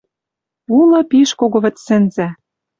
Улы пиш кого вӹдсӹнзӓ